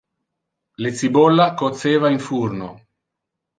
Le cibolla coceva in furno.